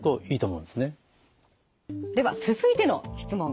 では続いての質問